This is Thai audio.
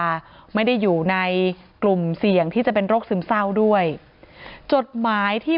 ไม่ได้อยู่ในกลุ่มเสี่ยงที่จะเป็นโรคซึมเศร้าด้วยจดหมายที่